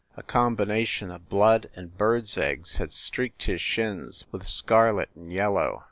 A combination of blood and birds eggs had streaked his shins with scarlet and yellow.